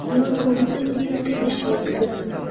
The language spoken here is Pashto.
نور قومونه دې ته تشویق کړي.